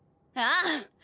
ああ。